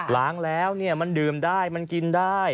ล้างแล้วมันดื่มได้มันกินได้